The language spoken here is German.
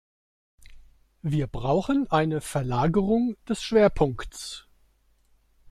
Wir brauchen eine Verlagerung des Schwerpunkts.